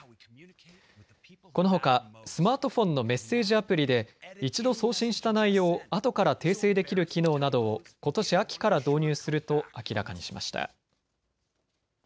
このほかスマートフォンのメッセージアプリで１度送信した内容を後から訂正できる機能などをことし秋から導入すると明らかにしました。